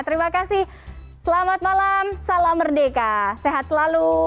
terima kasih selamat malam salam merdeka sehat selalu